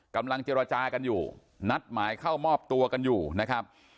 กำลังเจรจากันอยู่นัดหมายเข้ามอบตัวกันอยู่นะครับ